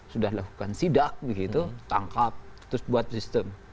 sudah lakukan sidak begitu tangkap terus buat sistem